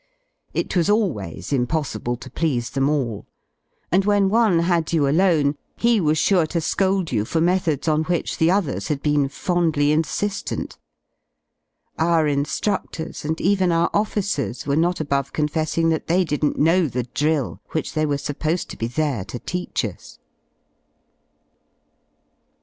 It was alw^ays impossible to please them all, and when one had you alone he was sure to scold you^for 23 methods on which the others had been fondly insi^ent. Our in^rudlors, and even our officers, were not above I confessing that they didn't know the drill which they were y supposed to be there to teach us.